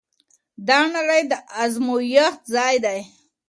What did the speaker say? دا نړۍ د ازمويښت ځای دی.